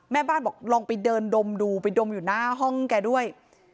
แม่บ้านบอกลองไปเดินดมดูไปดมอยู่หน้าห้องแกด้วย